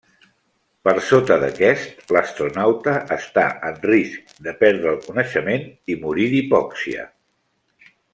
Per sota d'aquest, l'astronauta està en risc de perdre el coneixement i morir d'hipòxia.